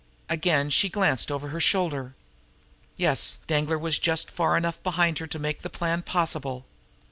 Again she glanced over her shoulder. Yes, Danglar was just far enough behind to make the plan possible.